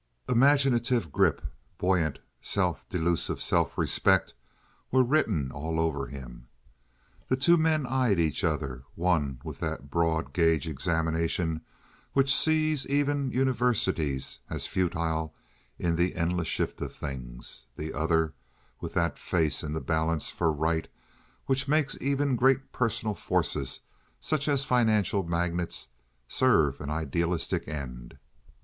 Imaginative grip, buoyant, self delusive self respect were written all over him. The two men eyed each other—one with that broad gage examination which sees even universities as futile in the endless shift of things; the other with that faith in the balance for right which makes even great personal forces, such as financial magnates, serve an idealistic end.